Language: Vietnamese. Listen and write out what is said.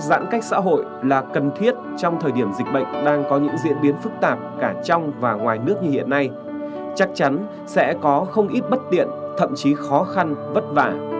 giãn cách xã hội là cần thiết trong thời điểm dịch bệnh đang có những diễn biến phức tạp cả trong và ngoài nước như hiện nay chắc chắn sẽ có không ít bất tiện thậm chí khó khăn vất vả